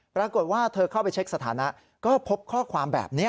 ปรากฏว่าเธอเข้าไปเช็คสถานะก็พบข้อความแบบนี้